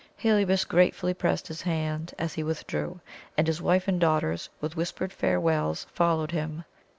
Heliobas gratefully pressed his hand as he withdrew, and his wife and daughters, with whispered farewells, followed him.